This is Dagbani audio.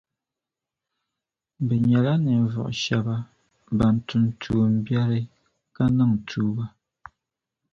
Bɛ nyɛla ninvuɣu shεba ban tum tuumbiεri, ka niŋ tuuba.